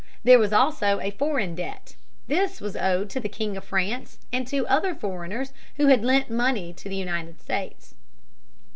There was also a Foreign Debt. This was owed to the King of France and to other foreigners who had lent money to the United States.